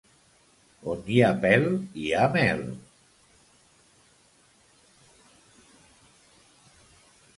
On hi ha pèl hi ha mel.